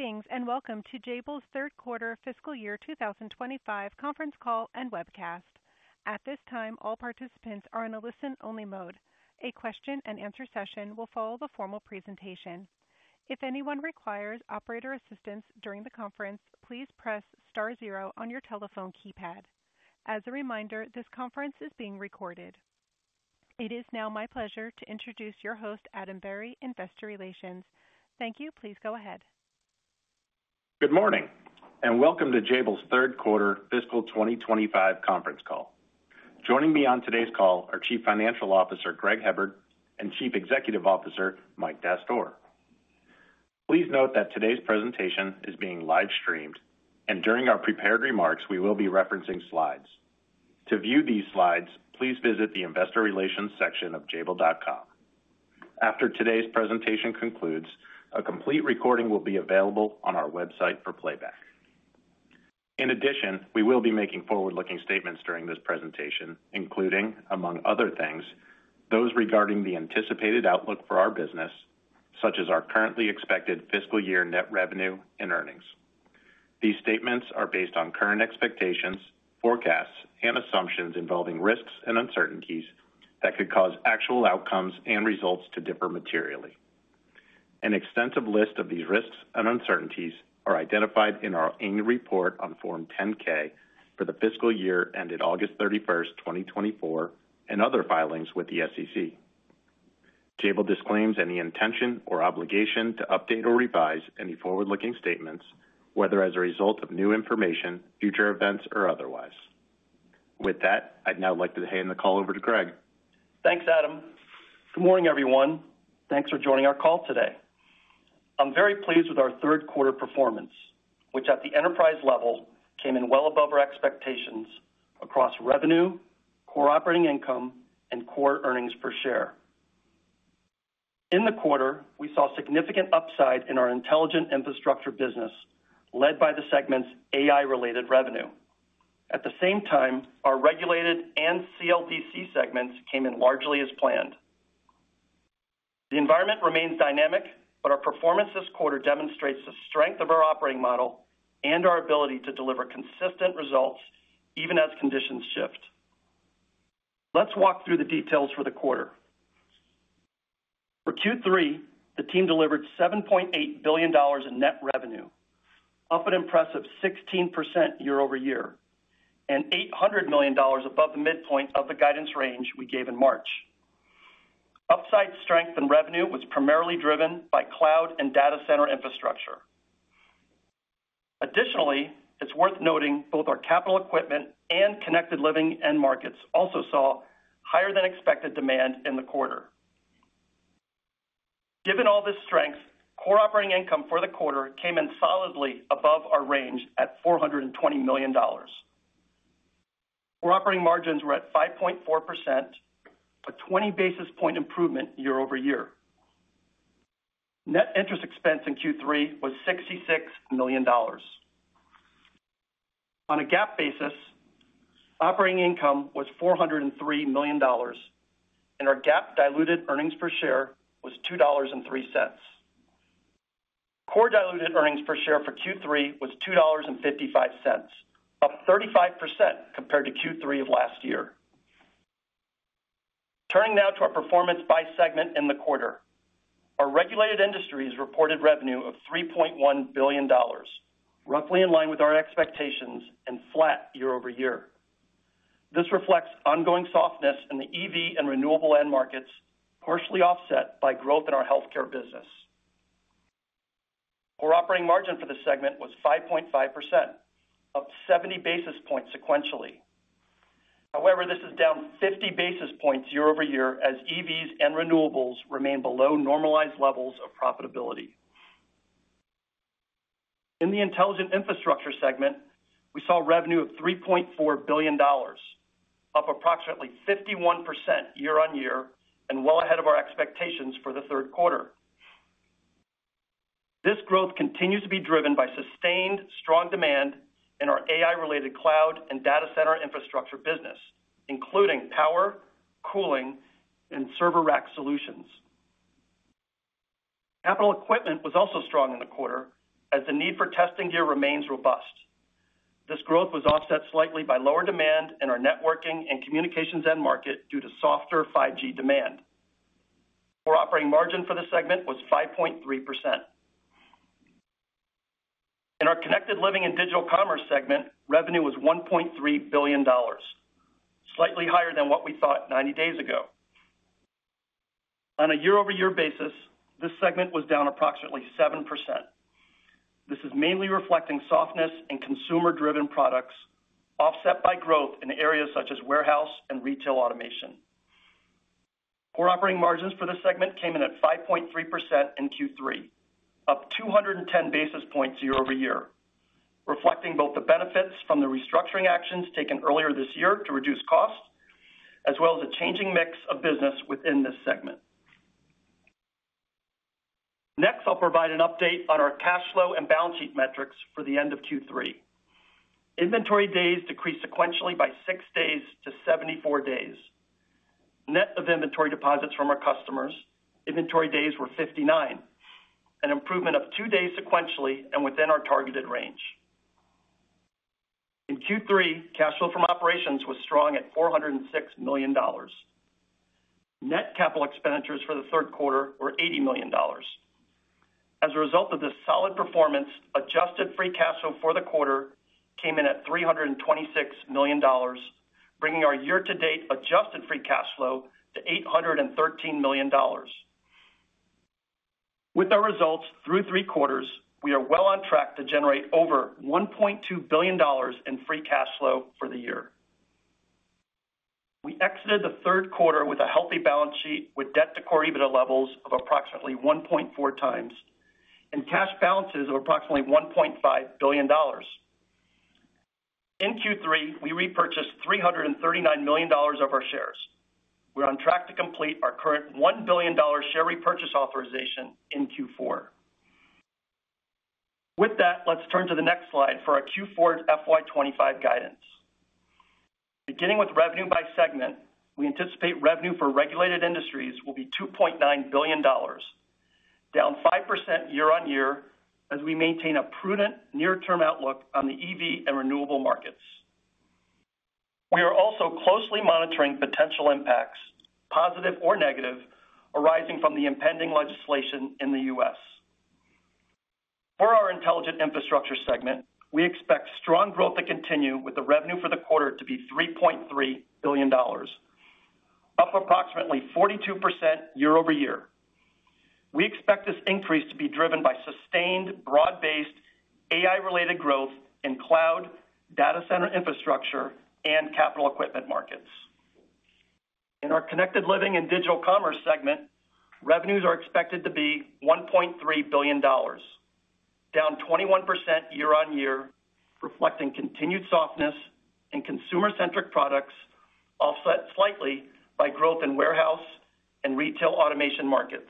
Good morning and welcome to Jabil's Third Quarter Fiscal Year 2025 Conference Call and Webcast. At this time, all participants are in a listen-only mode. A question-and-answer session will follow the formal presentation. If anyone requires operator assistance during the conference, please press star zero on your telephone keypad. As a reminder, this conference is being recorded. It is now my pleasure to introduce your host, Adam Berry, Investor Relations. Thank you. Please go ahead. Good morning and welcome to Jabil's third quarter fiscal 2025 conference call. Joining me on today's call are Chief Financial Officer Greg Hebard and Chief Executive Officer Mike Dastoor. Please note that today's presentation is being live-streamed, and during our prepared remarks, we will be referencing slides. To view these slides, please visit the Investor Relations section of jabil.com. After today's presentation concludes, a complete recording will be available on our website for playback. In addition, we will be making forward-looking statements during this presentation, including, among other things, those regarding the anticipated outlook for our business, such as our currently expected fiscal year net revenue and earnings. These statements are based on current expectations, forecasts, and assumptions involving risks and uncertainties that could cause actual outcomes and results to differ materially. An extensive list of these risks and uncertainties are identified in our annual report on Form 10-K for the fiscal year ended August 31, 2024, and other filings with the SEC. Jabil disclaims any intention or obligation to update or revise any forward-looking statements, whether as a result of new information, future events, or otherwise. With that, I'd now like to hand the call over to Greg. Thanks, Adam. Good morning, everyone. Thanks for joining our call today. I'm very pleased with our third quarter performance, which at the enterprise level came in well above our expectations across revenue, core operating income, and core earnings per share. In the quarter, we saw significant upside in our intelligent infrastructure business, led by the segment's AI-related revenue. At the same time, our regulated and CLDC segments came in largely as planned. The environment remains dynamic, but our performance this quarter demonstrates the strength of our operating model and our ability to deliver consistent results even as conditions shift. Let's walk through the details for the quarter. For Q3, the team delivered $7.8 billion in net revenue, up an impressive 16% year-over-year, and $800 million above the midpoint of the guidance range we gave in March. Upside strength and revenue was primarily driven by cloud and data center infrastructure. Additionally, it's worth noting both our capital equipment and connected living end markets also saw higher-than-expected demand in the quarter. Given all this strength, core operating income for the quarter came in solidly above our range at $420 million. Core operating margins were at 5.4%, a 20 basis point improvement year-over-year. Net interest expense in Q3 was $66 million. On a GAAP basis, operating income was $403 million, and our GAAP diluted earnings per share was $2.03. Core diluted earnings per share for Q3 was $2.55, up 35% compared to Q3 of last year. Turning now to our performance by segment in the quarter, our regulated industries reported revenue of $3.1 billion, roughly in line with our expectations and flat year-over-year. This reflects ongoing softness in the EV and renewable end markets, partially offset by growth in our healthcare business. Core operating margin for the segment was 5.5%, up 70 basis points sequentially. However, this is down 50 basis points year-over-year as EVs and renewables remain below normalized levels of profitability. In the intelligent infrastructure segment, we saw revenue of $3.4 billion, up approximately 51% year-on-year and well ahead of our expectations for the third quarter. This growth continues to be driven by sustained strong demand in our AI-related cloud and data center infrastructure business, including power, cooling, and server rack solutions. Capital equipment was also strong in the quarter as the need for testing gear remains robust. This growth was offset slightly by lower demand in our networking and communications end market due to softer 5G demand. Core operating margin for the segment was 5.3%. In our connected living and digital commerce segment, revenue was $1.3 billion, slightly higher than what we thought 90 days ago. On a year-over-year basis, this segment was down approximately 7%. This is mainly reflecting softness in consumer-driven products, offset by growth in areas such as warehouse and retail automation. Core operating margins for this segment came in at 5.3% in Q3, up 210 basis points year-over-year, reflecting both the benefits from the restructuring actions taken earlier this year to reduce costs, as well as a changing mix of business within this segment. Next, I'll provide an update on our cash flow and balance sheet metrics for the end of Q3. Inventory days decreased sequentially by six days to 74 days. Net of inventory deposits from our customers, inventory days were 59, an improvement of two days sequentially and within our targeted range. In Q3, cash flow from operations was strong at $406 million. Net capital expenditures for the third quarter were $80 million. As a result of this solid performance, adjusted free cash flow for the quarter came in at $326 million, bringing our year-to-date adjusted free cash flow to $813 million. With our results through three quarters, we are well on track to generate over $1.2 billion in free cash flow for the year. We exited the third quarter with a healthy balance sheet with debt-to-core EBITDA levels of approximately 1.4 times and cash balances of approximately $1.5 billion. In Q3, we repurchased $339 million of our shares. We're on track to complete our current $1 billion share repurchase authorization in Q4. With that, let's turn to the next slide for our Q4 FY25 guidance. Beginning with revenue by segment, we anticipate revenue for regulated industries will be $2.9 billion, down 5% year-on-year as we maintain a prudent near-term outlook on the EV and renewable markets. We are also closely monitoring potential impacts, positive or negative, arising from the impending legislation in the U.S.. For our intelligent infrastructure segment, we expect strong growth to continue with the revenue for the quarter to be $3.3 billion, up approximately 42% year-over-year. We expect this increase to be driven by sustained broad-based AI-related growth in cloud, data center infrastructure, and capital equipment markets. In our connected living and digital commerce segment, revenues are expected to be $1.3 billion, down 21% year-on-year, reflecting continued softness in consumer-centric products, offset slightly by growth in warehouse and retail automation markets.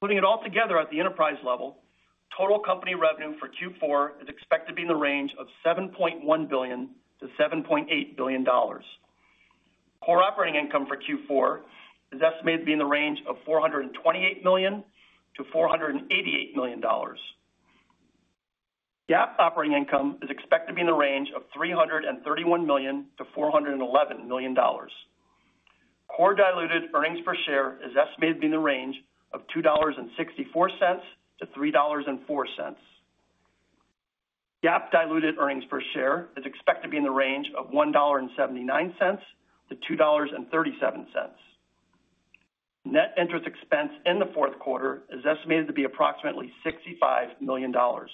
Putting it all together at the enterprise level, total company revenue for Q4 is expected to be in the range of $7.1 billion-$7.8 billion. Core operating income for Q4 is estimated to be in the range of $428 million-$488 million. GAAP operating income is expected to be in the range of $331 million-$411 million. Core diluted earnings per share is estimated to be in the range of $2.64-$3.04. GAAP diluted earnings per share is expected to be in the range of $1.79-$2.37. Net interest expense in the fourth quarter is estimated to be approximately $65 million. Our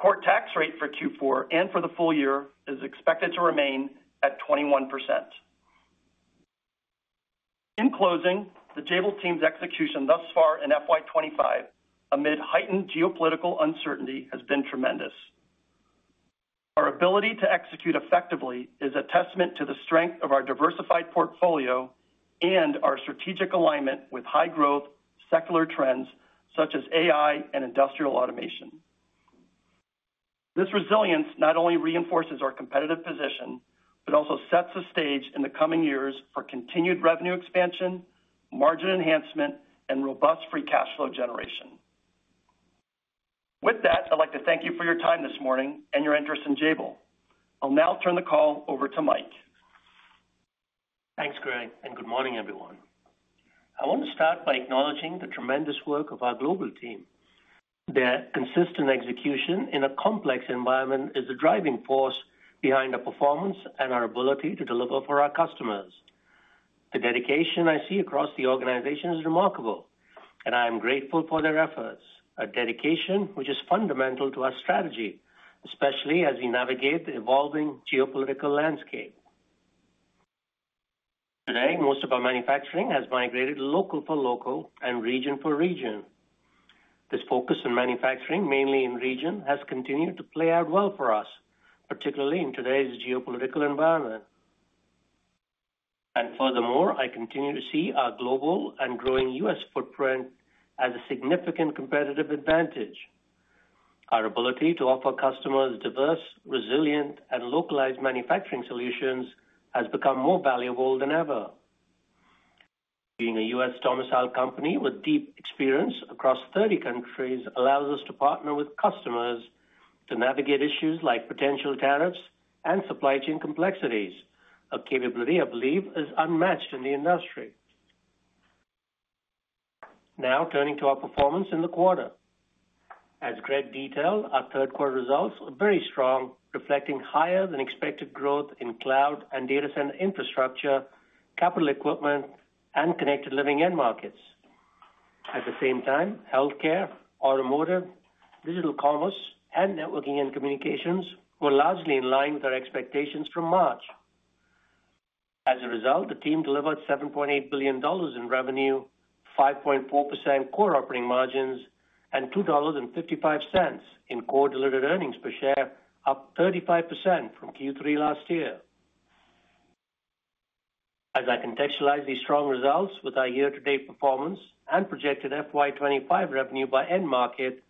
core tax rate for Q4 and for the full year is expected to remain at 21%. In closing, the Jabil team's execution thus far in FY2025, amid heightened geopolitical uncertainty, has been tremendous. Our ability to execute effectively is a testament to the strength of our diversified portfolio and our strategic alignment with high-growth secular trends such as AI and industrial automation. This resilience not only reinforces our competitive position, but also sets the stage in the coming years for continued revenue expansion, margin enhancement, and robust free cash flow generation. With that, I'd like to thank you for your time this morning and your interest in Jabil. I'll now turn the call over to Mike. Thanks, Greg, and good morning, everyone. I want to start by acknowledging the tremendous work of our global team. Their consistent execution in a complex environment is the driving force behind our performance and our ability to deliver for our customers. The dedication I see across the organization is remarkable, and I am grateful for their efforts, a dedication which is fundamental to our strategy, especially as we navigate the evolving geopolitical landscape. Today, most of our manufacturing has migrated local for local and region for region. This focus on manufacturing, mainly in region, has continued to play out well for us, particularly in today's geopolitical environment. Furthermore, I continue to see our global and growing U.S. footprint as a significant competitive advantage. Our ability to offer customers diverse, resilient, and localized manufacturing solutions has become more valuable than ever. Being a U.S. domiciled company with deep experience across 30 countries allows us to partner with customers to navigate issues like potential tariffs and supply chain complexities, a capability I believe is unmatched in the industry. Now, turning to our performance in the quarter. As Greg detailed, our third quarter results were very strong, reflecting higher-than-expected growth in cloud and data center infrastructure, capital equipment, and connected living end markets. At the same time, healthcare, automotive, digital commerce, and networking and communications were largely in line with our expectations from March. As a result, the team delivered $7.8 billion in revenue, 5.4% core operating margins, and $2.55 in core diluted earnings per share, up 35% from Q3 last year. As I contextualize these strong results with our year-to-date performance and projected FY2025 revenue by end market,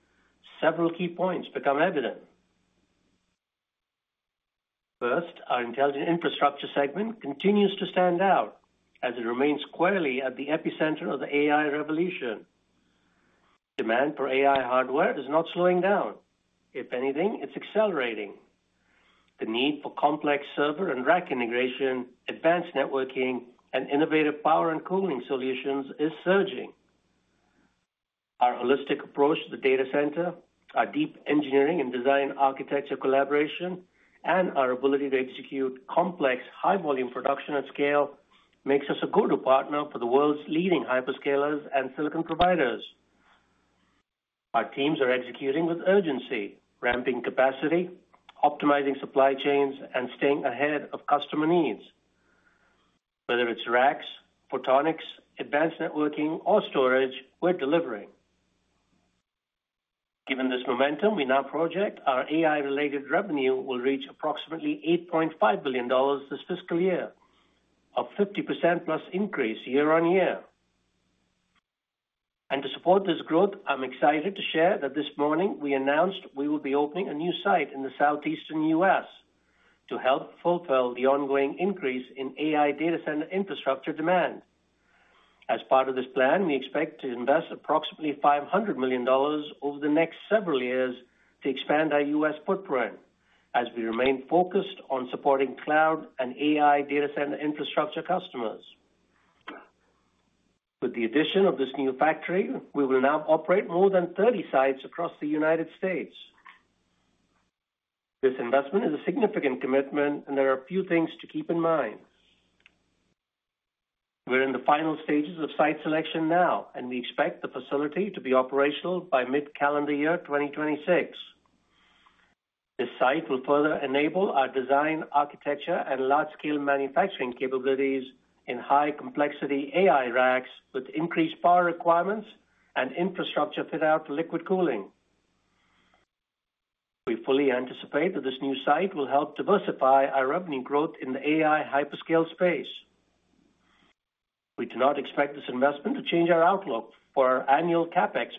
several key points become evident. First, our Intelligent Infrastructure segment continues to stand out as it remains squarely at the epicenter of the AI revolution. Demand for AI hardware is not slowing down. If anything, it's accelerating. The need for complex server and rack integration, advanced networking, and innovative power and cooling solutions is surging. Our holistic approach to the data center, our deep engineering and design architecture collaboration, and our ability to execute complex high-volume production at scale makes us a go-to partner for the world's leading hyperscalers and silicon providers. Our teams are executing with urgency, ramping capacity, optimizing supply chains, and staying ahead of customer needs. Whether it's racks, photonics, advanced networking, or storage, we're delivering. Given this momentum, we now project our AI-related revenue will reach approximately $8.5 billion this fiscal year, a 50%+ increase year-on-year. To support this growth, I'm excited to share that this morning we announced we will be opening a new site in the Southeastern U.S. to help fulfill the ongoing increase in AI data center infrastructure demand. As part of this plan, we expect to invest approximately $500 million over the next several years to expand our U.S. footprint as we remain focused on supporting cloud and AI data center infrastructure customers. With the addition of this new factory, we will now operate more than 30 sites across the United States. This investment is a significant commitment, and there are a few things to keep in mind. We're in the final stages of site selection now, and we expect the facility to be operational by mid-calendar year 2026. This site will further enable our design, architecture, and large-scale manufacturing capabilities in high-complexity AI racks with increased power requirements and infrastructure fit-out for liquid cooling. We fully anticipate that this new site will help diversify our revenue growth in the AI hyperscale space. We do not expect this investment to change our outlook for our annual CapEx,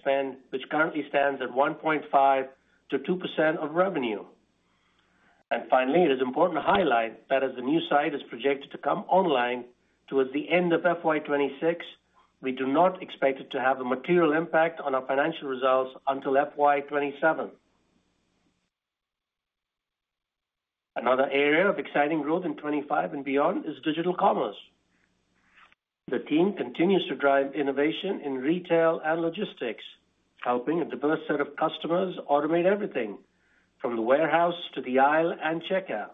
which currently stands at 1.5%-2% of revenue. Finally, it is important to highlight that as the new site is projected to come online towards the end of FY2026, we do not expect it to have a material impact on our financial results until FY2027. Another area of exciting growth in 2025 and beyond is digital commerce. The team continues to drive innovation in retail and logistics, helping a diverse set of customers automate everything from the warehouse to the aisle and checkout.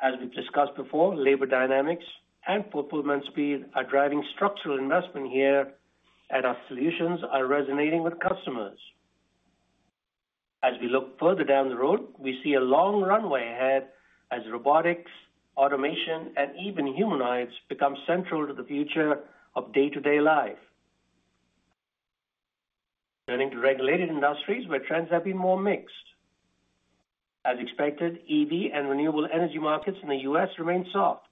As we've discussed before, labor dynamics and fulfillment speed are driving structural investment here, and our solutions are resonating with customers. As we look further down the road, we see a long runway ahead as robotics, automation, and even humanoids become central to the future of day-to-day life. Turning to regulated industries, where trends have been more mixed. As expected, EV and renewable energy markets in the U.S. remain soft.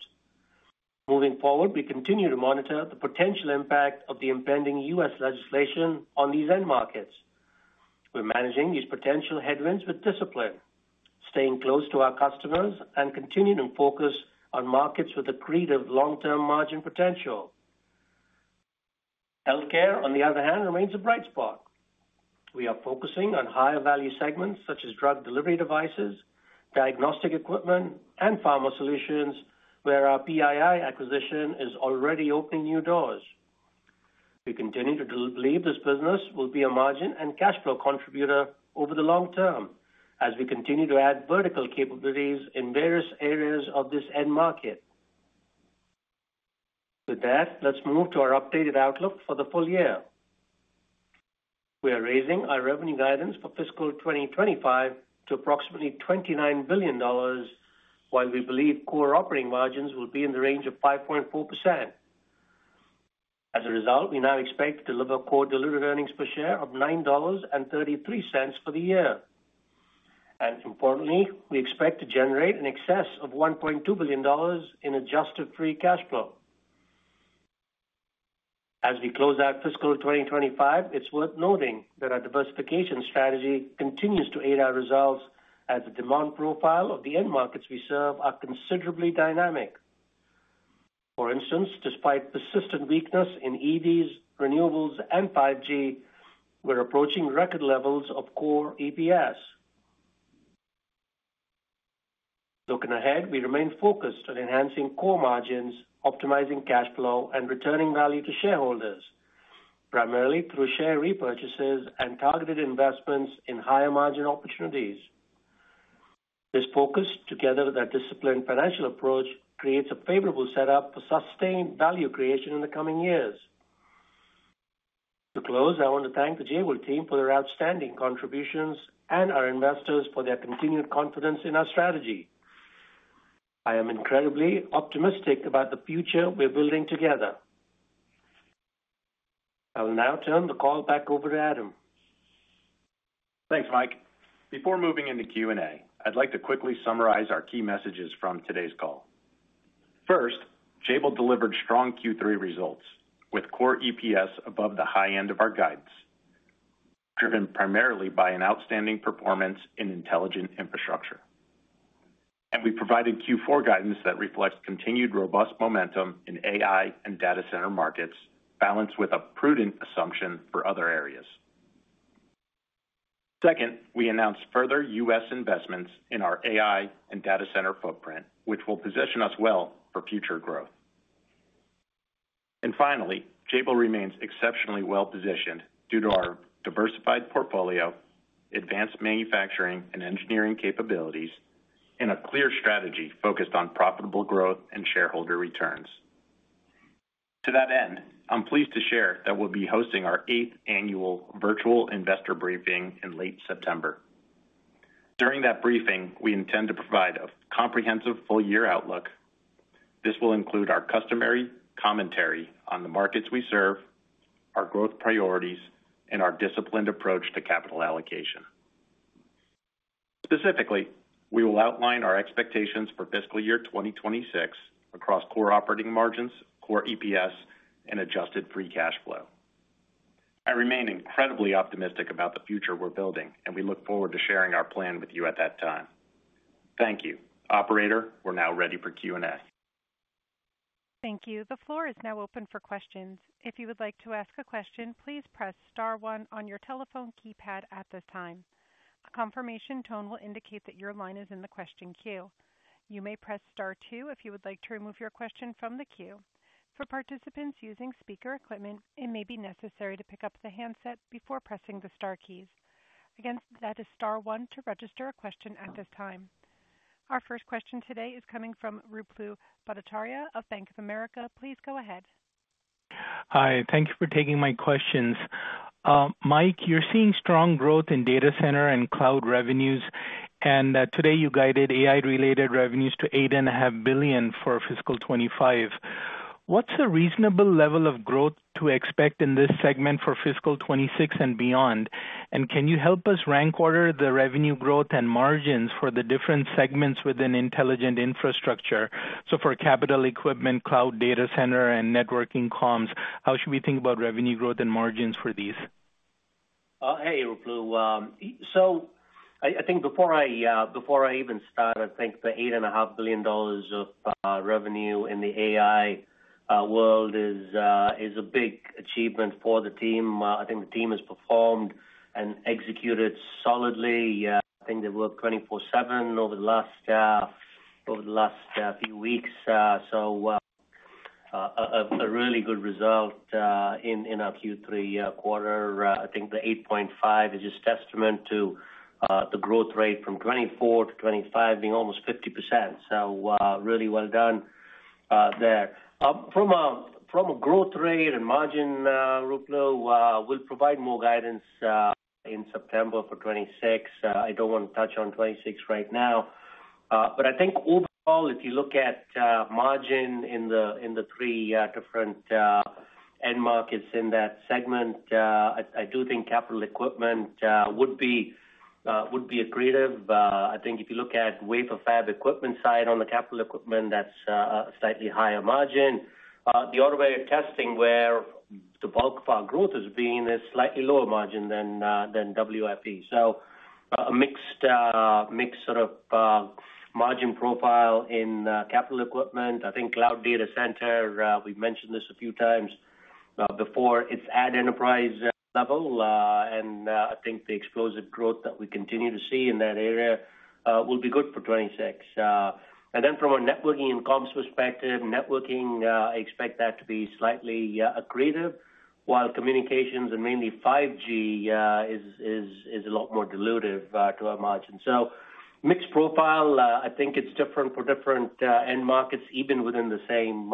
Moving forward, we continue to monitor the potential impact of the impending U.S. legislation on these end markets. We're managing these potential headwinds with discipline, staying close to our customers, and continuing to focus on markets with a creative long-term margin potential. Healthcare, on the other hand, remains a bright spot. We are focusing on higher-value segments such as drug delivery devices, diagnostic equipment, and pharma solutions, where our PII acquisition is already opening new doors. We continue to believe this business will be a margin and cash flow contributor over the long term as we continue to add vertical capabilities in various areas of this end market. With that, let's move to our updated outlook for the full year. We are raising our revenue guidance for fiscal 2025 to approximately $29 billion, while we believe core operating margins will be in the range of 5.4%. As a result, we now expect to deliver core diluted earnings per share of $9.33 for the year. Importantly, we expect to generate in excess of $1.2 billion in adjusted free cash flow. As we close out fiscal 2025, it's worth noting that our diversification strategy continues to aid our results as the demand profile of the end markets we serve are considerably dynamic. For instance, despite persistent weakness in EVs, renewables, and 5G, we're approaching record levels of core EPS. Looking ahead, we remain focused on enhancing core margins, optimizing cash flow, and returning value to shareholders, primarily through share repurchases and targeted investments in higher-margin opportunities. This focus, together with our disciplined financial approach, creates a favorable setup for sustained value creation in the coming years. To close, I want to thank the Jabil team for their outstanding contributions and our investors for their continued confidence in our strategy. I am incredibly optimistic about the future we're building together. I will now turn the call back over to Adam. Thanks, Mike. Before moving into Q&A, I'd like to quickly summarize our key messages from today's call. First, Jabil delivered strong Q3 results with core EPS above the high end of our guidance, driven primarily by an outstanding performance in intelligent infrastructure. We provided Q4 guidance that reflects continued robust momentum in AI and data center markets, balanced with a prudent assumption for other areas. Second, we announced further U.S. investments in our AI and data center footprint, which will position us well for future growth. Finally, Jabil remains exceptionally well-positioned due to our diversified portfolio, advanced manufacturing and engineering capabilities, and a clear strategy focused on profitable growth and shareholder returns. To that end, I'm pleased to share that we'll be hosting our eighth annual virtual investor briefing in late September. During that briefing, we intend to provide a comprehensive full-year outlook. This will include our customary commentary on the markets we serve, our growth priorities, and our disciplined approach to capital allocation. Specifically, we will outline our expectations for fiscal year 2026 across core operating margins, core EPS, and adjusted free cash flow. I remain incredibly optimistic about the future we're building, and we look forward to sharing our plan with you at that time. Thank you. Operator, we're now ready for Q&A. Thank you. The floor is now open for questions. If you would like to ask a question, please press star one on your telephone keypad at this time. A confirmation tone will indicate that your line is in the question queue. You may press star two if you would like to remove your question from the queue. For participants using speaker equipment, it may be necessary to pick up the handset before pressing the star keys. Again, that is star one to register a question at this time. Our first question today is coming from Ruplu Bhattacharya of Bank of America. Please go ahead. Hi. Thank you for taking my questions. Mike, you're seeing strong growth in data center and cloud revenues, and today you guided AI-related revenues to $8.5 billion for fiscal 2025. What's a reasonable level of growth to expect in this segment for fiscal 2026 and beyond? Can you help us rank order the revenue growth and margins for the different segments within intelligent infrastructure? For capital equipment, cloud data center, and networking comms, how should we think about revenue growth and margins for these? Hey, Ruplu. I think before I even start, I think the $8.5 billion of revenue in the AI world is a big achievement for the team. I think the team has performed and executed solidly. I think they've worked 24/7 over the last few weeks. A really good result in our Q3 quarter. I think the $8.5 billion is just a testament to the growth rate from 2024 to 2025 being almost 50%. Really well done there. From a growth rate and margin, Ruplu, we'll provide more guidance in September for 2026. I do not want to touch on 2026 right now. I think overall, if you look at margin in the three different end markets in that segment, I do think capital equipment would be agreeable. I think if you look at Wafer Fab equipment side on the capital equipment, that's a slightly higher margin. The automated testing where the bulk of our growth has been is slightly lower margin than WFE. A mixed sort of margin profile in capital equipment. I think cloud data center, we've mentioned this a few times before, it's at enterprise level. I think the explosive growth that we continue to see in that area will be good for 2026. From a networking and comms perspective, networking, I expect that to be slightly agreeable, while communications and mainly 5G is a lot more dilutive to our margin. Mixed profile, I think it's different for different end markets, even within the same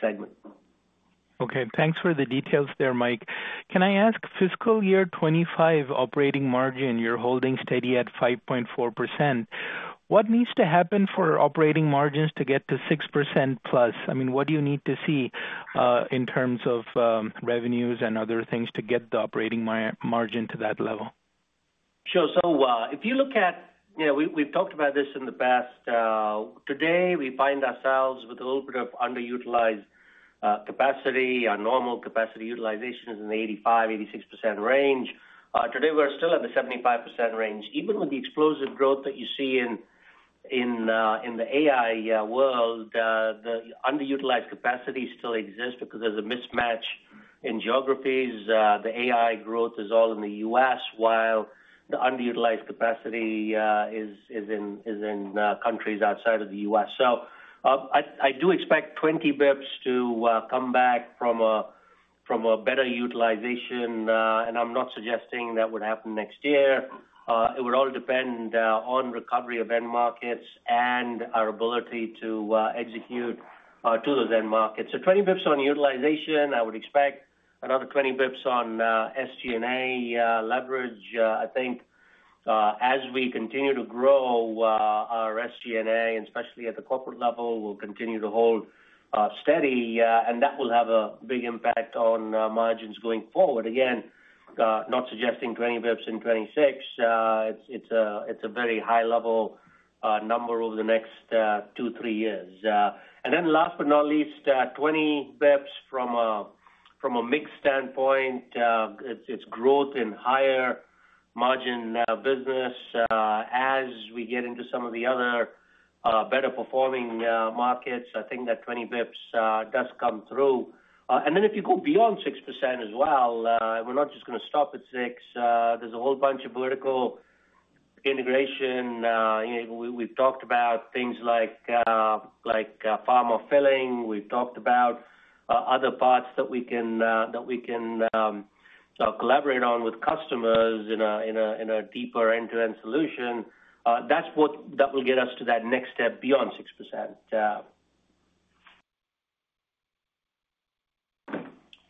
segment. Okay. Thanks for the details there, Mike. Can I ask, fiscal year 2025 operating margin, you're holding steady at 5.4%. What needs to happen for operating margins to get to 6% plus? I mean, what do you need to see in terms of revenues and other things to get the operating margin to that level? Sure. If you look at, we've talked about this in the past. Today, we find ourselves with a little bit of underutilized capacity. Our normal capacity utilization is in the 85-86% range. Today, we're still in the 75% range. Even with the explosive growth that you see in the AI world, the underutilized capacity still exists because there's a mismatch in geographies. The AI growth is all in the U.S., while the underutilized capacity is in countries outside of the U.S.. I do expect 20 bps to come back from a better utilization. I'm not suggesting that would happen next year. It would all depend on recovery of end markets and our ability to execute to those end markets. 20 bps on utilization. I would expect another 20 bps on SG&A leverage. I think as we continue to grow, our SG&A, and especially at the corporate level, will continue to hold steady. That will have a big impact on margins going forward. Again, not suggesting 20 bps in 2026. It is a very high-level number over the next two, three years. Last but not least, 20 bps from a mixed standpoint, it is growth in higher margin business. As we get into some of the other better-performing markets, I think that 20 bps does come through. If you go beyond 6% as well, we are not just going to stop at 6%. There is a whole bunch of vertical integration. We have talked about things like pharma filling. We have talked about other parts that we can collaborate on with customers in a deeper end-to-end solution. That will get us to that next step beyond 6%.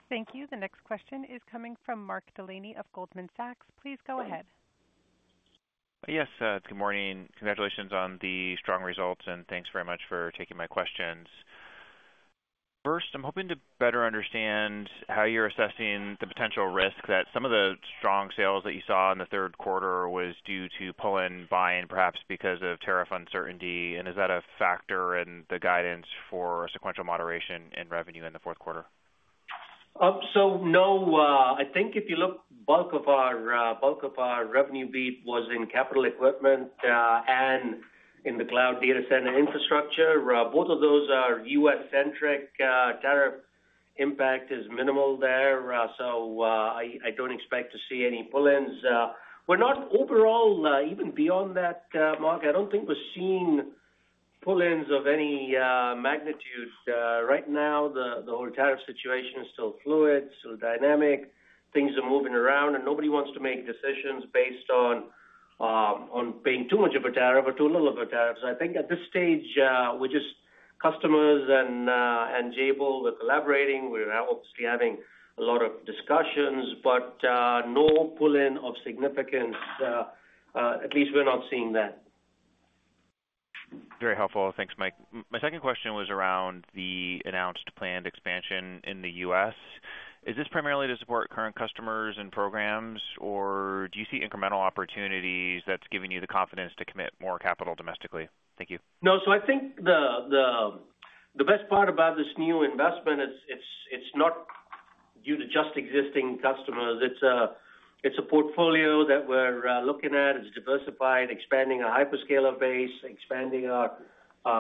Thank you. The next question is coming from Mark Delaney of Goldman Sachs. Please go ahead. Yes. Good morning. Congratulations on the strong results, and thanks very much for taking my questions. First, I'm hoping to better understand how you're assessing the potential risk that some of the strong sales that you saw in the third quarter was due to pull-in buying, perhaps because of tariff uncertainty. Is that a factor in the guidance for sequential moderation in revenue in the fourth quarter? No. I think if you look, bulk of our revenue beat was in capital equipment and in the cloud data center infrastructure. Both of those are U.S.-centric. Tariff impact is minimal there. I do not expect to see any pull-ins. We are not overall, even beyond that market. I do not think we are seeing pull-ins of any magnitude. Right now, the whole tariff situation is still fluid, still dynamic. Things are moving around, and nobody wants to make decisions based on paying too much of a tariff or too little of a tariff. I think at this stage, we are just customers and Jabil, we are collaborating. We are obviously having a lot of discussions, but no pull-in of significance. At least we are not seeing that. Very helpful. Thanks, Mike. My second question was around the announced planned expansion in the U.S. Is this primarily to support current customers and programs, or do you see incremental opportunities that's giving you the confidence to commit more capital domestically? Thank you. No. I think the best part about this new investment, it's not due to just existing customers. It's a portfolio that we're looking at. It's diversified, expanding our hyperscaler base, expanding our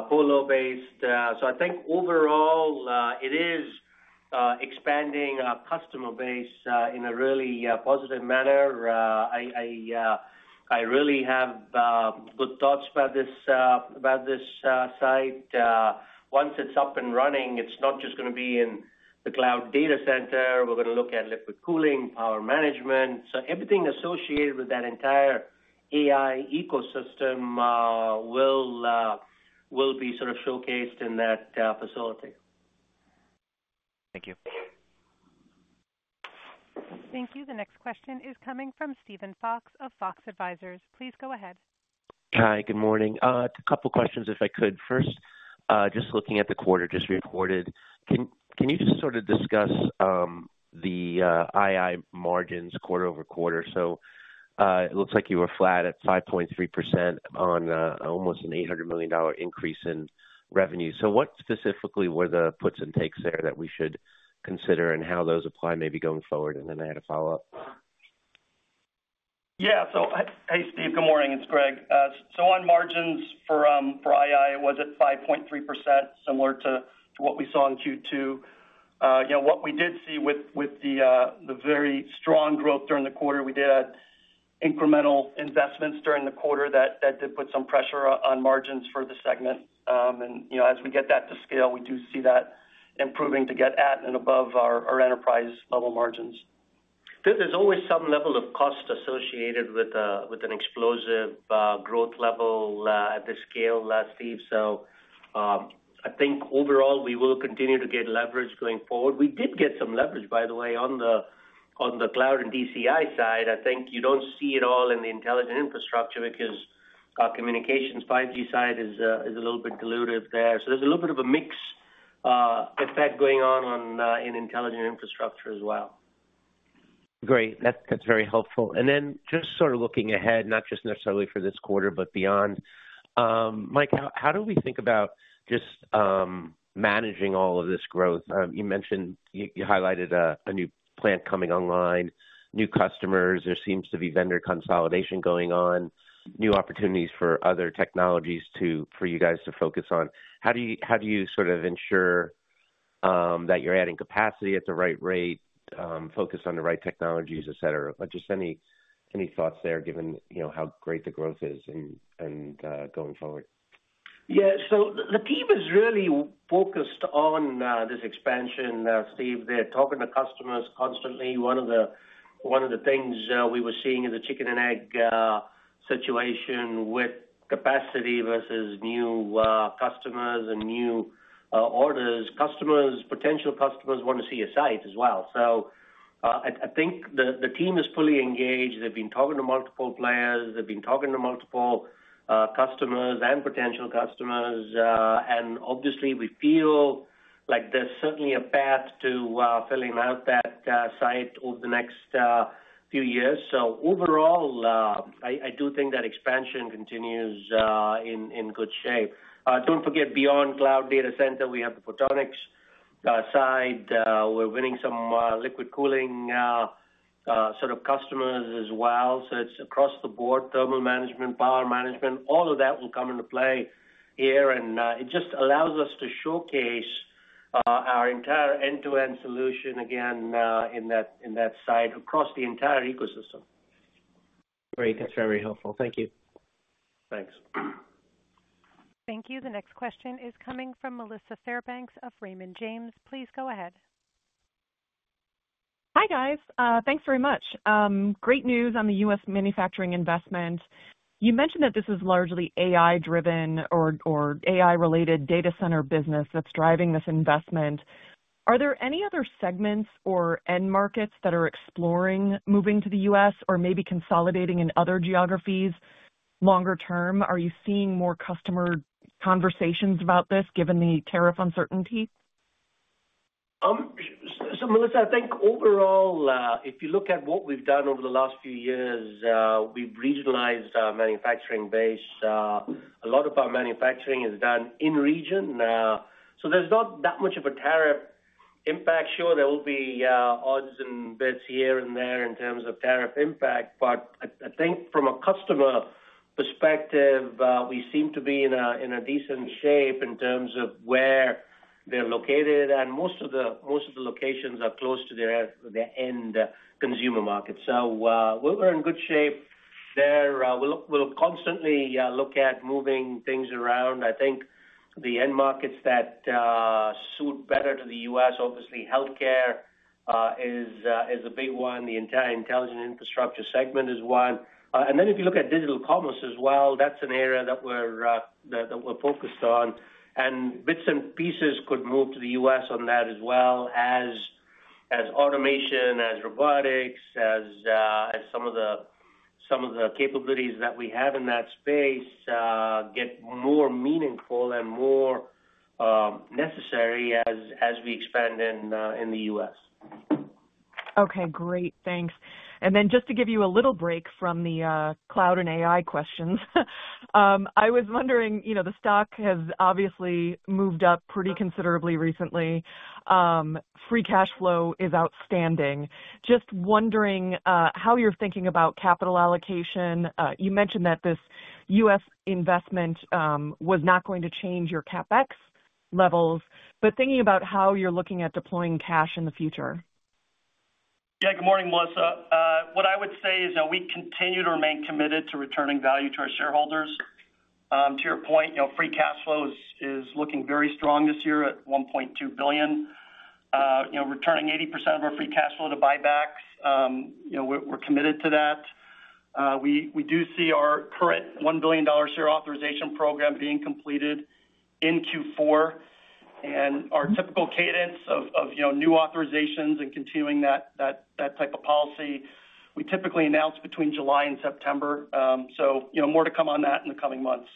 colo base. I think overall, it is expanding our customer base in a really positive manner. I really have good thoughts about this site. Once it's up and running, it's not just going to be in the cloud data center. We're going to look at liquid cooling, power management. Everything associated with that entire AI ecosystem will be sort of showcased in that facility. Thank you. Thank you. The next question is coming from Steven Fox of Fox Advisors. Please go ahead. Hi. Good morning. A couple of questions, if I could. First, just looking at the quarter just reported, can you just sort of discuss the II margins quarter over quarter? It looks like you were flat at 5.3% on almost an $800 million increase in revenue. What specifically were the puts and takes there that we should consider and how those apply maybe going forward? I had a follow-up. Yeah. Hey, Steve. Good morning. It's Greg. On margins for II, it was at 5.3%, similar to what we saw in Q2. What we did see with the very strong growth during the quarter, we did have incremental investments during the quarter that did put some pressure on margins for the segment. As we get that to scale, we do see that improving to get at and above our enterprise-level margins. There's always some level of cost associated with an explosive growth level at this scale, Steve. I think overall, we will continue to get leverage going forward. We did get some leverage, by the way, on the cloud and DCI side. I think you don't see it all in the intelligent infrastructure because our communications 5G side is a little bit dilutive there. There's a little bit of a mix effect going on in intelligent infrastructure as well. Great. That's very helpful. And then just sort of looking ahead, not just necessarily for this quarter, but beyond, Mike, how do we think about just managing all of this growth? You mentioned you highlighted a new plant coming online, new customers. There seems to be vendor consolidation going on, new opportunities for other technologies for you guys to focus on. How do you sort of ensure that you're adding capacity at the right rate, focus on the right technologies, etc.? Just any thoughts there given how great the growth is and going forward? Yeah. The team is really focused on this expansion, Steve. They're talking to customers constantly. One of the things we were seeing in the chicken and egg situation with capacity versus new customers and new orders, potential customers want to see a site as well. I think the team is fully engaged. They've been talking to multiple players. They've been talking to multiple customers and potential customers. Obviously, we feel like there's certainly a path to filling out that site over the next few years. Overall, I do think that expansion continues in good shape. Don't forget, beyond cloud data center, we have the Photonics side. We're winning some liquid cooling sort of customers as well. It's across the board, thermal management, power management. All of that will come into play here. It just allows us to showcase our entire end-to-end solution again in that site across the entire ecosystem. Great. That's very helpful. Thank you. Thanks. Thank you. The next question is coming from Melissa Fairbanks of Raymond James. Please go ahead. Hi, guys. Thanks very much. Great news on the U.S. manufacturing investment. You mentioned that this is largely AI-driven or AI-related data center business that's driving this investment. Are there any other segments or end markets that are exploring moving to the U.S. or maybe consolidating in other geographies longer term? Are you seeing more customer conversations about this given the tariff uncertainty? Melissa, I think overall, if you look at what we've done over the last few years, we've regionalized our manufacturing base. A lot of our manufacturing is done in region. There is not that much of a tariff impact. Sure, there will be odds and bits here and there in terms of tariff impact. I think from a customer perspective, we seem to be in decent shape in terms of where they're located. Most of the locations are close to their end consumer market. We are in good shape there. We'll constantly look at moving things around. I think the end markets that suit better to the U.S., obviously, healthcare is a big one. The entire intelligent infrastructure segment is one. If you look at digital commerce as well, that's an area that we're focused on. Bits and pieces could move to the U.S. on that as well as automation, as robotics, as some of the capabilities that we have in that space get more meaningful and more necessary as we expand in the U.S. Okay. Great. Thanks. Just to give you a little break from the cloud and AI questions, I was wondering, the stock has obviously moved up pretty considerably recently. Free cash flow is outstanding. Just wondering how you're thinking about capital allocation. You mentioned that this U.S. investment was not going to change your CapEx levels, but thinking about how you're looking at deploying cash in the future. Yeah. Good morning, Melissa. What I would say is we continue to remain committed to returning value to our shareholders. To your point, free cash flow is looking very strong this year at $1.2 billion. Returning 80% of our free cash flow to buybacks, we're committed to that. We do see our current $1 billion share authorization program being completed in Q4. Our typical cadence of new authorizations and continuing that type of policy, we typically announce between July and September. More to come on that in the coming months.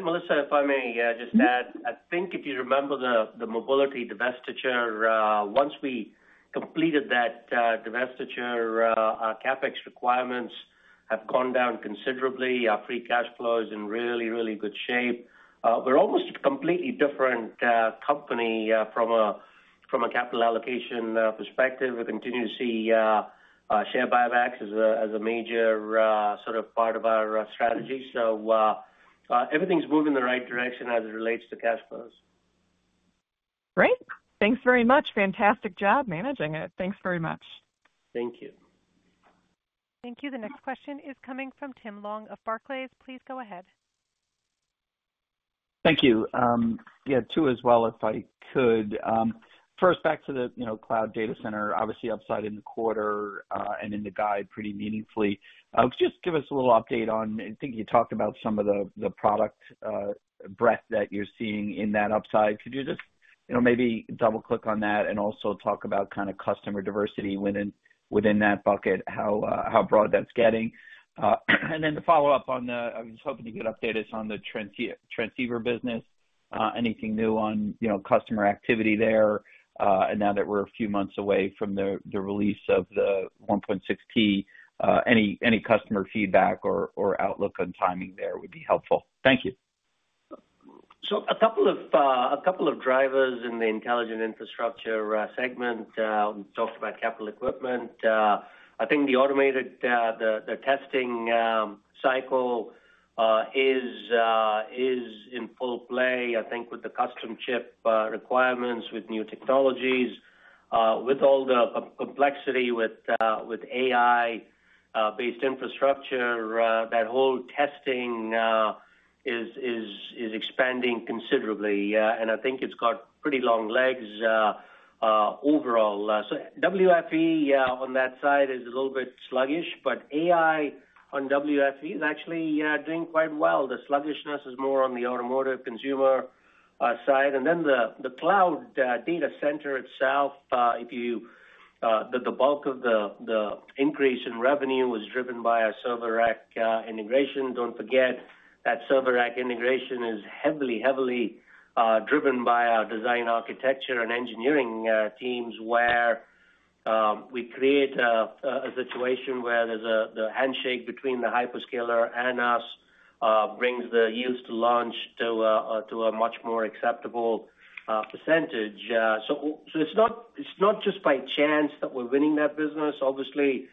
Melissa, if I may just add, I think if you remember the mobility divestiture, once we completed that divestiture, our CapEx requirements have gone down considerably. Our free cash flow is in really, really good shape. We're almost a completely different company from a capital allocation perspective. We continue to see share buybacks as a major sort of part of our strategy. Everything's moving in the right direction as it relates to cash flows. Great. Thanks very much. Fantastic job managing it. Thanks very much. Thank you. Thank you. The next question is coming from Tim Long of Barclays. Please go ahead. Thank you. Yeah. Two as well, if I could. First, back to the cloud data center, obviously upside in the quarter and in the guide pretty meaningfully. Just give us a little update on, I think you talked about some of the product breadth that you're seeing in that upside. Could you just maybe double-click on that and also talk about kind of customer diversity within that bucket, how broad that's getting? To follow up on the, I was hoping to get updated on the transceiver business. Anything new on customer activity there? Now that we're a few months away from the release of the 1.6T, any customer feedback or outlook on timing there would be helpful. Thank you. A couple of drivers in the intelligent infrastructure segment. We talked about capital equipment. I think the automated, the testing cycle is in full play, I think, with the custom chip requirements, with new technologies, with all the complexity with AI-based infrastructure. That whole testing is expanding considerably. I think it has pretty long legs overall. WFE on that side is a little bit sluggish, but AI on WFE is actually doing quite well. The sluggishness is more on the automotive consumer side. The cloud data center itself, the bulk of the increase in revenue was driven by our server rack integration. Do not forget that server rack integration is heavily, heavily driven by our design architecture and engineering teams where we create a situation where the handshake between the hyperscaler and us brings the yields to launch to a much more acceptable percentage. It is not just by chance that we are winning that business. Obviously,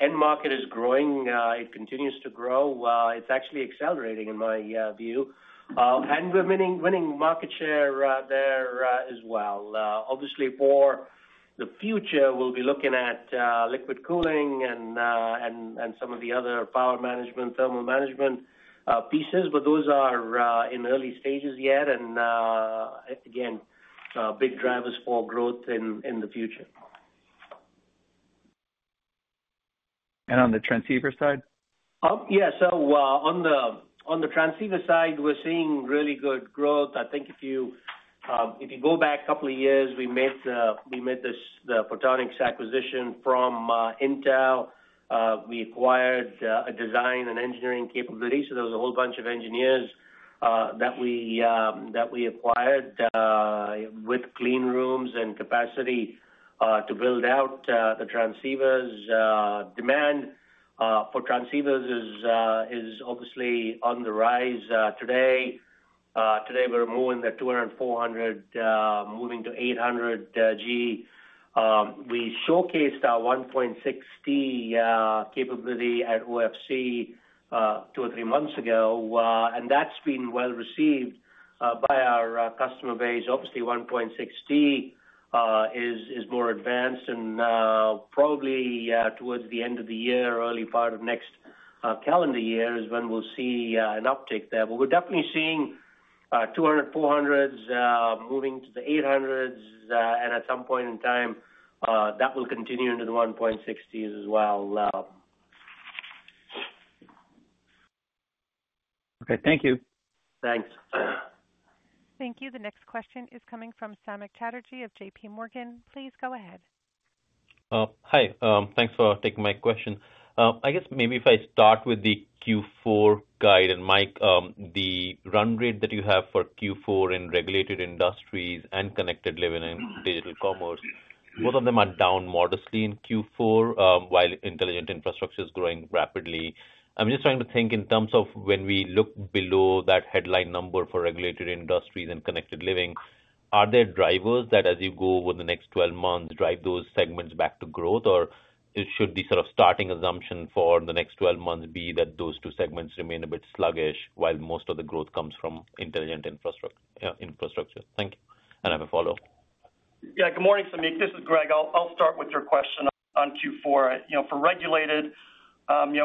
end market is growing. It continues to grow. It is actually accelerating in my view. We are winning market share there as well. Obviously, for the future, we will be looking at liquid cooling and some of the other power management, thermal management pieces, but those are in early stages yet. Again, big drivers for growth in the future. On the transceiver side? Yeah. So on the transceiver side, we're seeing really good growth. I think if you go back a couple of years, we made the photonics acquisition from Intel. We acquired a design and engineering capability. So there was a whole bunch of engineers that we acquired with clean rooms and capacity to build out the transceivers. Demand for transceivers is obviously on the rise today. Today, we're moving the 200, 400, moving to 800G. We showcased our 1.6T capability at OFC two or three months ago. That has been well received by our customer base. Obviously, 1.6T is more advanced. Probably towards the end of the year, early part of next calendar year is when we'll see an uptick there. We're definitely seeing 200, 400s moving to the 800s. At some point in time, that will continue into the 1.6Ts as well. Okay. Thank you. Thanks. Thank you. The next question is coming from Samik Chatterjee of JPMorgan. Please go ahead. Hi. Thanks for taking my question. I guess maybe if I start with the Q4 guide, Mike, the run rate that you have for Q4 in regulated industries and connected living and digital commerce, both of them are down modestly in Q4 while intelligent infrastructure is growing rapidly. I'm just trying to think in terms of when we look below that headline number for regulated industries and connected living, are there drivers that as you go over the next 12 months drive those segments back to growth? Or should the sort of starting assumption for the next 12 months be that those two segments remain a bit sluggish while most of the growth comes from intelligent infrastructure? Thank you. I have a follow-up. Yeah. Good morning, Samik. This is Greg. I'll start with your question on Q4. For regulated,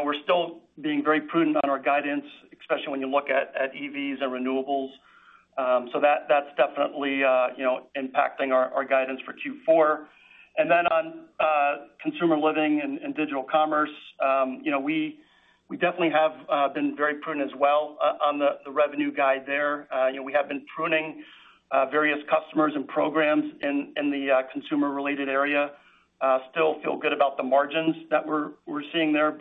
we're still being very prudent on our guidance, especially when you look at EVs and renewables. That's definitely impacting our guidance for Q4. On consumer living and digital commerce, we definitely have been very prudent as well on the revenue guide there. We have been pruning various customers and programs in the consumer-related area. Still feel good about the margins that we're seeing there.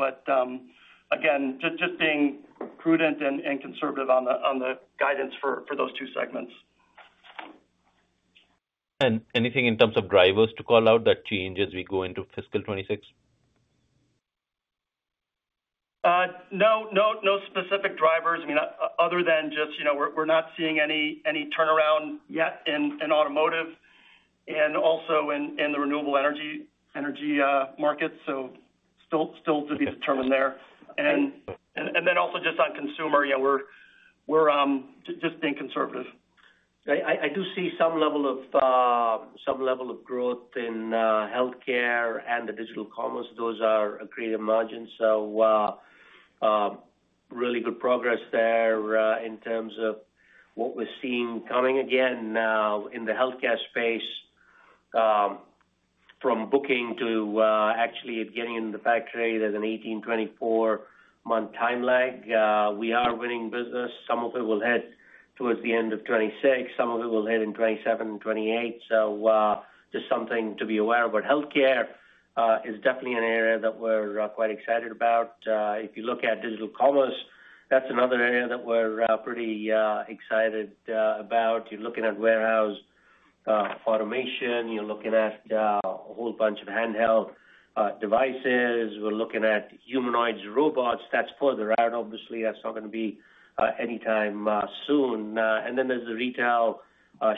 Again, just being prudent and conservative on the guidance for those two segments. there anything in terms of drivers to call out that change as we go into fiscal 2026? No. No specific drivers. I mean, other than just we're not seeing any turnaround yet in automotive and also in the renewable energy markets. Still to be determined there. Also just on consumer, we're just being conservative. I do see some level of growth in healthcare and the digital commerce. Those are great emergence. Really good progress there in terms of what we're seeing coming again now in the healthcare space from booking to actually getting in the factory. There's an 18-24 month time lag. We are winning business. Some of it will head towards the end of 2026. Some of it will head in 2027 and 2028. Just something to be aware of. Healthcare is definitely an area that we're quite excited about. If you look at digital commerce, that's another area that we're pretty excited about. You're looking at warehouse automation. You're looking at a whole bunch of handheld devices. We're looking at humanoids and robots. That's further out, obviously. That's not going to be anytime soon. There is the retail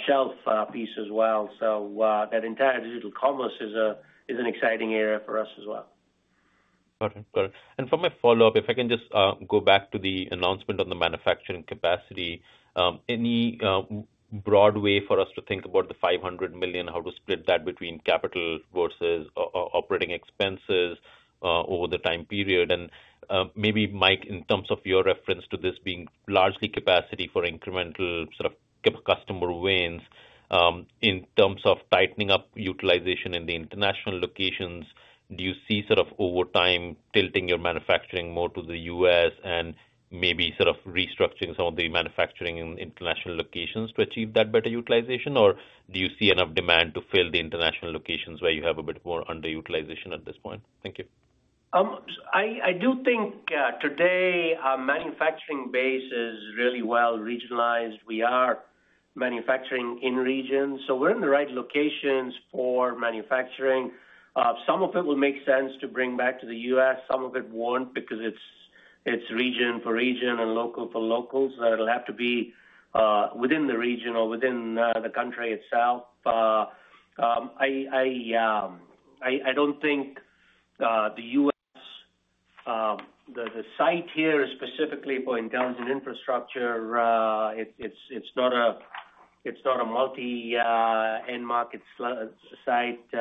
shelf piece as well. That entire digital commerce is an exciting area for us as well. Got it. Got it. For my follow-up, if I can just go back to the announcement on the manufacturing capacity, any broad way for us to think about the $500 million, how to split that between capital versus operating expenses over the time period? Maybe, Mike, in terms of your reference to this being largely capacity for incremental sort of customer wins, in terms of tightening up utilization in the international locations, do you see over time tilting your manufacturing more to the U.S. and maybe restructuring some of the manufacturing in international locations to achieve that better utilization? Or do you see enough demand to fill the international locations where you have a bit more underutilization at this point? Thank you. I do think today our manufacturing base is really well regionalized. We are manufacturing in regions. We are in the right locations for manufacturing. Some of it will make sense to bring back to the U.S. Some of it will not because it is region for region and local for locals. It will have to be within the region or within the country itself. I do not think the U.S. site here is specifically for intelligent infrastructure. It is not a multi-end market site.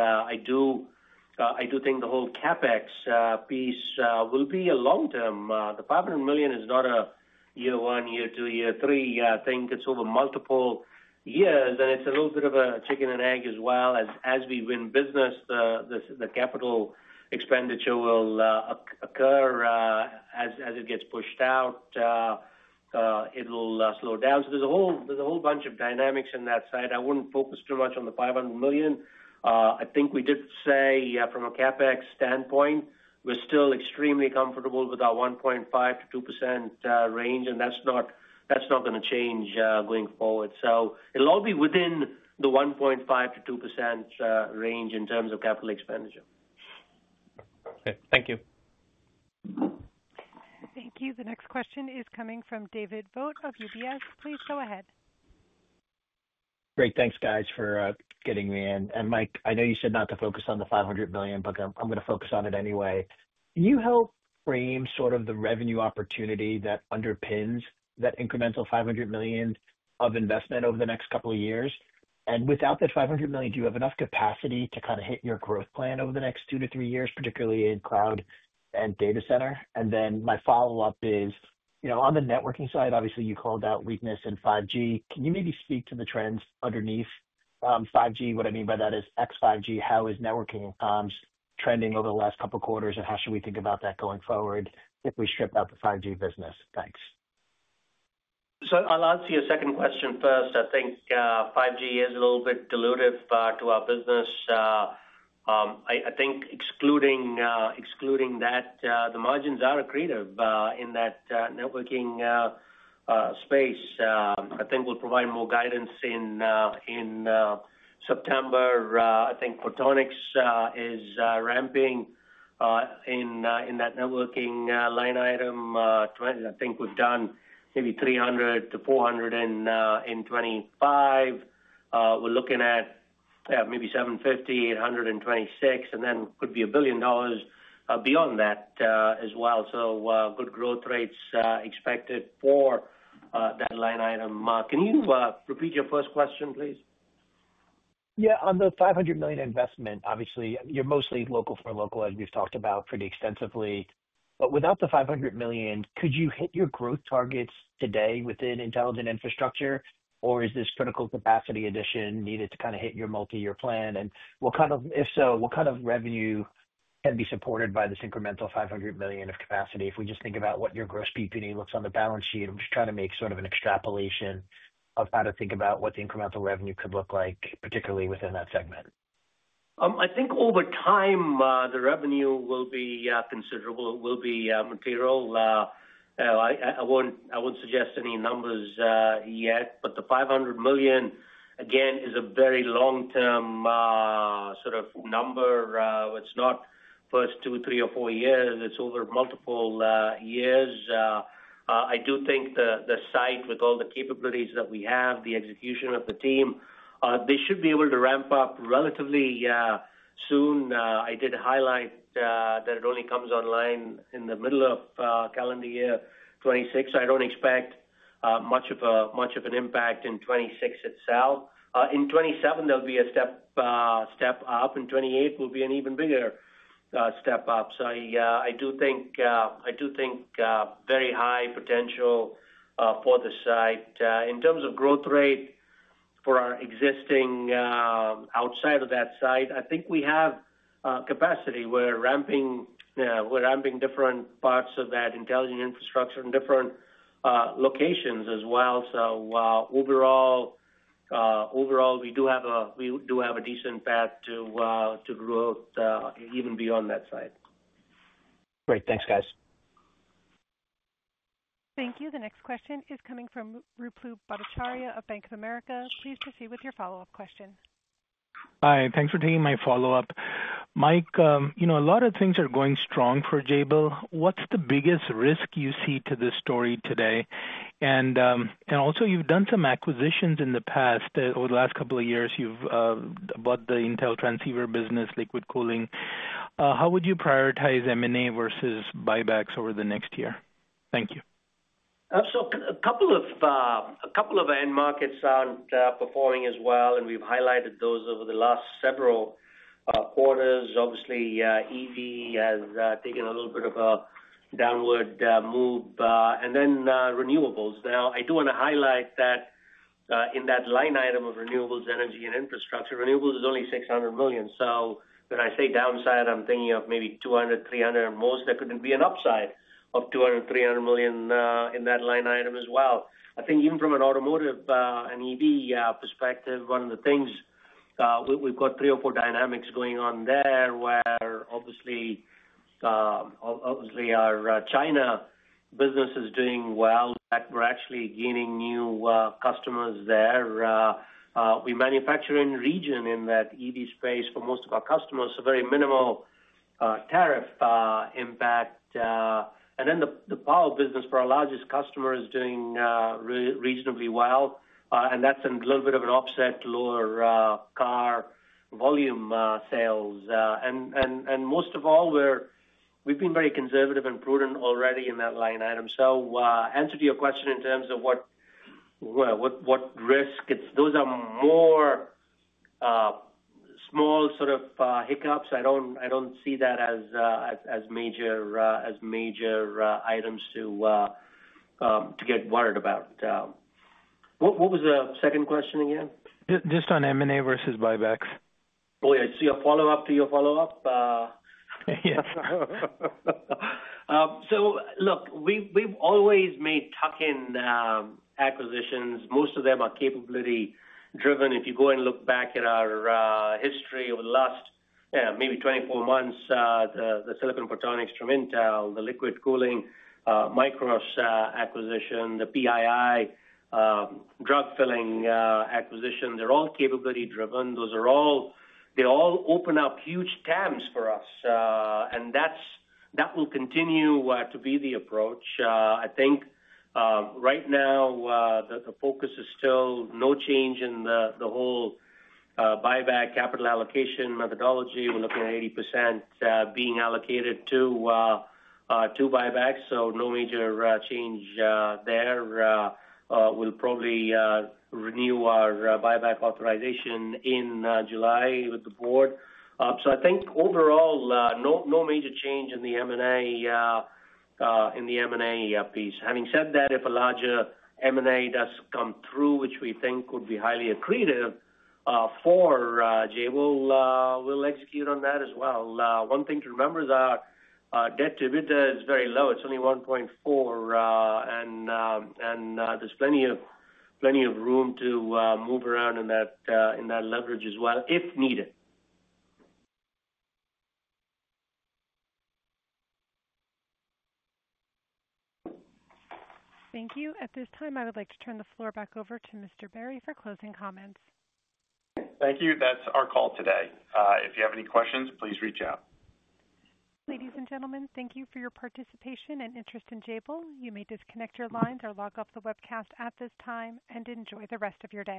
I do think the whole CapEx piece will be a long-term. The $500 million is not a year one, year two, year three thing. It is over multiple years. It is a little bit of a chicken and egg as well. As we win business, the capital expenditure will occur. As it gets pushed out, it will slow down. There is a whole bunch of dynamics in that side. I wouldn't focus too much on the $500 million. I think we did say from a CapEx standpoint, we're still extremely comfortable with our 1.5%-2% range. That's not going to change going forward. It'll all be within the 1.5%-2% range in terms of capital expenditure. Okay. Thank you. Thank you. The next question is coming from David Vogt of UBS. Please go ahead. Great. Thanks, guys, for getting me in. And Mike, I know you said not to focus on the $500 million, but I'm going to focus on it anyway. Can you help frame sort of the revenue opportunity that underpins that incremental $500 million of investment over the next couple of years? And without that $500 million, do you have enough capacity to kind of hit your growth plan over the next two to three years, particularly in cloud and data center? My follow-up is, on the networking side, obviously you called out weakness in 5G. Can you maybe speak to the trends underneath 5G? What I mean by that is, excluding 5G, how is networking trending over the last couple of quarters? How should we think about that going forward if we strip out the 5G business? Thanks. I'll answer your second question first. I think 5G is a little bit dilutive to our business. I think excluding that, the margins are accretive in that networking space. I think we'll provide more guidance in September. I think photonics is ramping in that networking line item. I think we've done maybe $300 million-$400 million in 2025. We're looking at maybe $750 million, $826 million, and then could be a billion dollars beyond that as well. Good growth rates expected for that line item. Can you repeat your first question, please? Yeah. On the $500 million investment, obviously, you're mostly local for local as we've talked about pretty extensively. Without the $500 million, could you hit your growth targets today within intelligent infrastructure? Or is this critical capacity addition needed to kind of hit your multi-year plan? If so, what kind of revenue can be supported by this incremental $500 million of capacity? If we just think about what your gross PPD looks on the balance sheet, I'm just trying to make sort of an extrapolation of how to think about what the incremental revenue could look like, particularly within that segment. I think over time, the revenue will be considerable. It will be material. I won't suggest any numbers yet. The $500 million, again, is a very long-term sort of number. It's not first two, three, or four years. It's over multiple years. I do think the site, with all the capabilities that we have, the execution of the team, they should be able to ramp up relatively soon. I did highlight that it only comes online in the middle of calendar year 2026. I don't expect much of an impact in 2026 itself. In 2027, there'll be a step up. In 2028, it will be an even bigger step up. I do think very high potential for the site. In terms of growth rate for our existing outside of that site, I think we have capacity. We're ramping different parts of that intelligent infrastructure in different locations as well. Overall, we do have a decent path to growth even beyond that site. Great. Thanks, guys. Thank you. The next question is coming from Ruplu Bhattacharya of Bank of America. Please proceed with your follow-up question. Hi. Thanks for taking my follow-up. Mike, a lot of things are going strong for Jabil. What is the biggest risk you see to this story today? Also, you have done some acquisitions in the past. Over the last couple of years, you have bought the Intel transceiver business, liquid cooling. How would you prioritize M&A versus buybacks over the next year? Thank you. A couple of end markets are not performing as well. We have highlighted those over the last several quarters. Obviously, EV has taken a little bit of a downward move. Then renewables. I do want to highlight that in that line item of renewables, energy, and infrastructure, renewables is only $600 million. When I say downside, I am thinking of maybe $200 million-$300 million. Most, there could be an upside of $200 million-$300 million in that line item as well. I think even from an automotive and EV perspective, one of the things is we have three or four dynamics going on there where obviously our China business is doing well. We are actually gaining new customers there. We manufacture in region in that EV space for most of our customers, so very minimal tariff impact. The power business for our largest customer is doing reasonably well. That is a little bit of an offset to lower car volume sales. Most of all, we have been very conservative and prudent already in that line item. Answer to your question in terms of what risk, those are more small sort of hiccups. I do not see that as major items to get worried about. What was the second question again? Just on M&A versus buybacks. Oh, yeah. So your follow-up to your follow-up? Yeah. Look, we've always made tuck-in acquisitions. Most of them are capability-driven. If you go and look back at our history over the last maybe 24 months, the silicon photonics from Intel, the liquid cooling Mikros acquisition, the PII drug filling acquisition, they're all capability-driven. They all open up huge TAMs for us. That will continue to be the approach. I think right now, the focus is still no change in the whole buyback capital allocation methodology. We're looking at 80% being allocated to buybacks. No major change there. We'll probably renew our buyback authorization in July with the board. I think overall, no major change in the M&A piece. Having said that, if a larger M&A does come through, which we think would be highly accretive for Jabil, we'll execute on that as well. One thing to remember is our debt to EBITDA is very low. It's only 1.4. There's plenty of room to move around in that leverage as well if needed. Thank you. At this time, I would like to turn the floor back over to Mr. Berry for closing comments. Thank you. That is our call today. If you have any questions, please reach out. Ladies and gentlemen, thank you for your participation and interest in Jabil. You may disconnect your lines or log off the webcast at this time and enjoy the rest of your day.